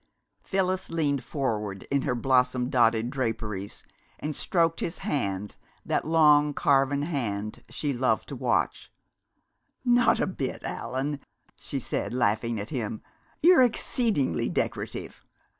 Phyllis leaned forward in her blossom dotted draperies and stroked his hand, that long carven hand she so loved to watch. "Not a bit, Allan," she said, laughing at him. "You're exceedingly decorative!